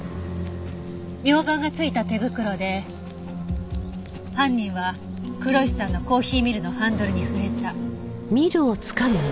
みょうばんが付いた手袋で犯人は黒石さんのコーヒーミルのハンドルに触れた。